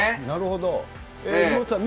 なるほど。